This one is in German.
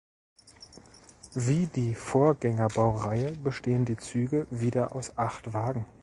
Wie die Vorgängerbaureihe, bestehen die Züge wieder aus acht Wagen.